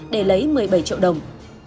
để lấy một mươi bảy triệu đồng